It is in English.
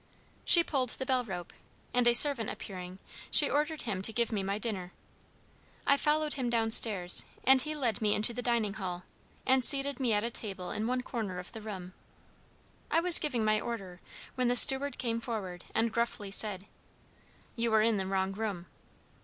She pulled the bell rope, and a servant appearing, she ordered him to give me my dinner. I followed him down stairs, and he led me into the dining hall, and seated me at a table in one corner of the room. I was giving my order, when the steward came forward and gruffly said: "You are in the wrong room."